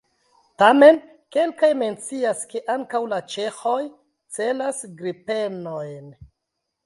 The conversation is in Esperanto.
Tamen kelkaj mencias, ke ankaŭ la ĉeĥoj celas Gripenojn.